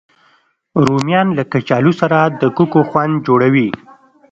رومیان له کچالو سره د کوکو خوند جوړوي